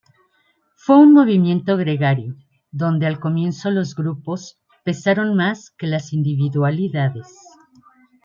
Fue un movimiento gregario, donde al comienzo los grupos pesaron más que las individualidades.